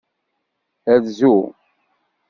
Rzu.